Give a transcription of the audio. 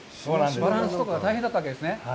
バランスとかが大変だったんですね。